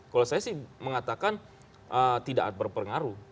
kalau saya sih mengatakan tidak berpengaruh